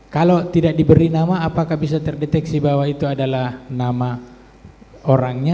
kalau tidak diberi nama apakah bisa terdeteksi bahwa itu adalah nama orangnya